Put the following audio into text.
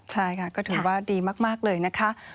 ใช่ค่ะก็ถือว่าดีมากเลยนะคะ